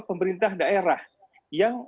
pemerintah daerah yang